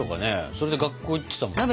それで学校行ってたんですよね。